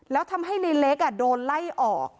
แล้วทำให้ในเล็กโดนไล่ออก